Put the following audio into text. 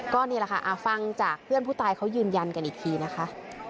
ก็นี่แหละค่ะฟังจากเพื่อนผู้ตายเขายืนยันกันอีกทีนะคะ